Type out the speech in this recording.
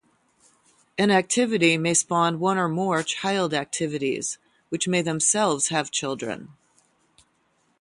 An activity may spawn one or more child activities, which may themselves have children.